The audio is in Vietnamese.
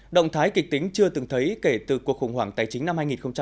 động thái kịch tính chưa từng thấy kể từ cuộc khủng hoảng tài chính năm hai nghìn tám